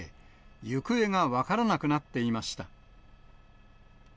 行方が分からなくなっていました。